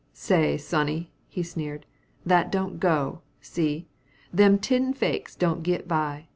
"Say, sonny," he sneered, "that don't go see. Them tin fakes don't git by.